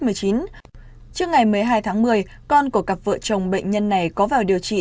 trước ngày một mươi hai tháng một mươi con của cặp vợ chồng bệnh nhân này có vào điều trị